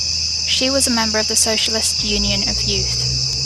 She was a member of the Socialist Union of Youth.